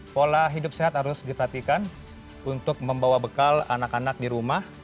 pola hidup sehat harus diperhatikan untuk membawa bekal anak anak di rumah